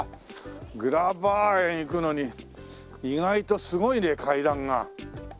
グラバー園行くのに意外とすごいね階段が。